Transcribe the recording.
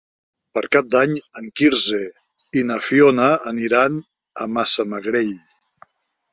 Per Cap d'Any en Quirze i na Fiona aniran a Massamagrell.